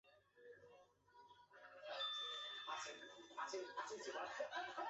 访问者模式是一种将算法与对象结构分离的软件设计模式。